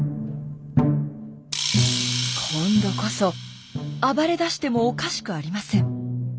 今度こそ暴れだしてもおかしくありません。